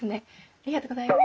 ありがとうございます。